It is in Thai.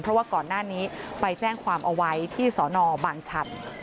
เพราะว่าก่อนหน้านี้ไปแจ้งความเอาไว้ที่สอนอบางชัน